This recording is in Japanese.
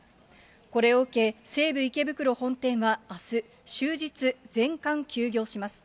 これを受け、西武池袋本店はあす終日、全館休業します。